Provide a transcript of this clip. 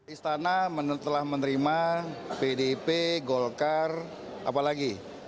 istana telah menerima pdp golkar apa lagi